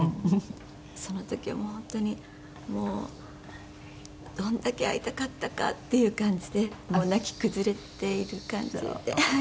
その時はもう本当にもうどんだけ会いたかったかっていう感じで泣き崩れている感じではい。